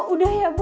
udah ya bu